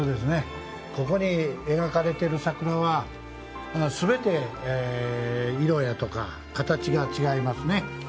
ここに描かれている桜はすべて色や形が違いますね。